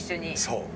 そう。